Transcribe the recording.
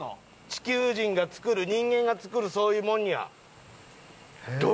地球人がつくる人間がつくるそういうもんには。